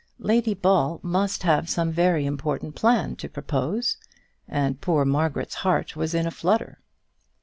Lady Ball must have some very important plan to propose, and poor Margaret's heart was in a flutter.